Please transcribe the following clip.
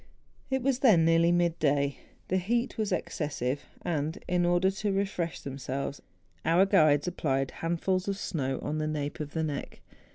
It was then nearly mid day ; the heat was ex¬ cessive; and, in order to refresh themselves, our guides applied handfuls of snow on the nape of the neck.